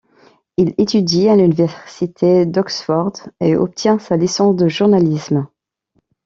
Il étudie à l'université d'Oxford et obtient sa licence de journalisme.